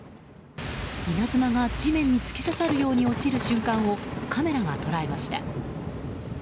稲妻が地面に突き刺さるように落ちる瞬間をカメラが捉えました。